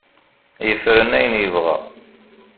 Yefren ayen yebɣa.